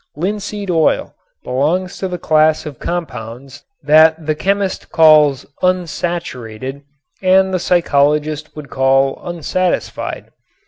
Linseed oil belongs to the class of compounds that the chemist calls "unsaturated" and the psychologist would call "unsatisfied."